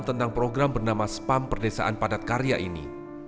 tentang program bernama spam perdesaan padat karya ini